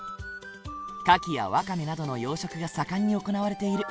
カキやワカメなどの養殖が盛んに行われている。